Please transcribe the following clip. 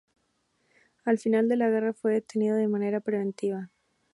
Al final de la guerra fue detenido de manera preventiva.